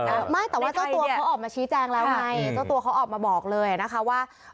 ไม่แต่ว่าเจ้าตัวเขาออกมาชี้แจงแล้วไงเจ้าตัวเขาออกมาบอกเลยนะคะว่า